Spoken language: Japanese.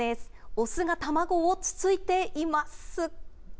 雄が卵をつついています。